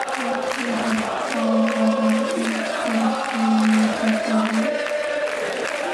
What he had found was an entirely new type of orchid.